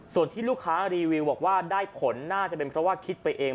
ส่วนที่ลูกค้ารีวิวบอกว่าได้ผลน่าจะเป็นเพราะว่าคิดไปเอง